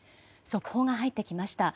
速報が入ってきました。